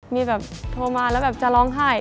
มีแบบโทรมาแล้วแบบจะร้องไห้